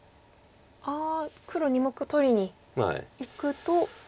ああ黒２目取りにいくと。